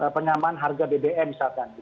penyamaan harga bbm misalkan